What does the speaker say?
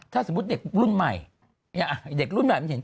ถ้าสมมุติเด็กรุ่นใหม่